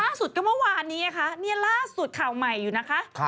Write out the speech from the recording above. ล่าสุดก็เมื่อวานนี้นะคะนี่ล่าสุดข่าวใหม่อยู่นะคะ